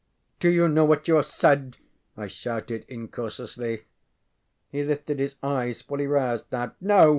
ŌĆ£Do you know what you have said? ŌĆØ I shouted, incautiously. He lifted his eyes, fully roused now. ŌĆ£No!